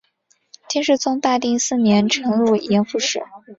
金世宗大定四年辰渌盐副使。